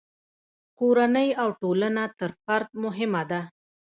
کورنۍ او ټولنه تر فرد مهمه ده.